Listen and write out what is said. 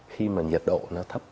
khi mà nhiệt độ nó thấp